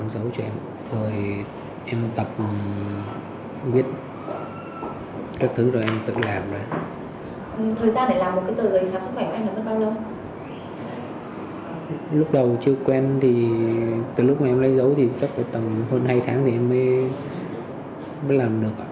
nếu mà em lấy dấu thì chắc tầm hơn hai tháng thì em mới làm được